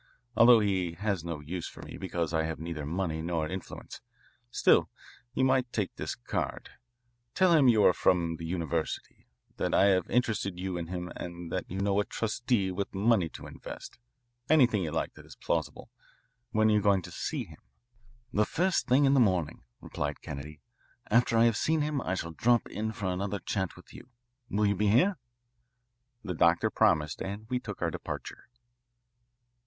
Although he has no use for me because I have neither money nor influence, still you might take this card. Tell him you are from the university, that I have interested you in him, that you know a trustee with money to invest anything you like that is plausible. When are you going to see him?" "The first thing in the morning," replied Kennedy. "After I have seen him I shall drop in for another chat with you. Will you be here?" The doctor promised, and we took our departure.